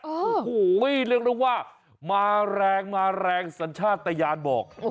โอ้โหเรียกได้ว่ามาแรงมาแรงสัญชาติตะยานบอก